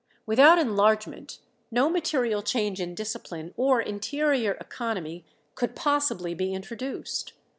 Without enlargement no material change in discipline or interior economy could possibly be introduced.